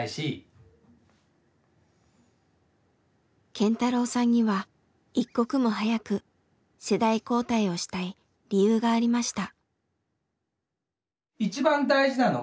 健太郎さんには一刻も早く世代交代をしたい理由がありました。